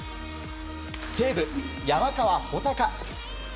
西武、山川穂高。